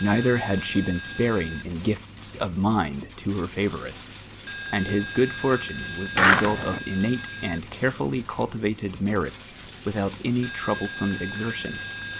Nrithrr had nhc been sparini:: in ,u;it'ts of mind to Iut favourito : and his j^ood fjir tmio was the result of iimate and earefully eidtivated merits, witliout any troublesome exertion.